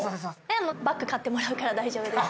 バッグ買ってもらうから大丈夫です。